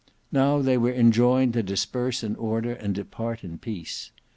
Now they were enjoined to disperse in order and depart in peace.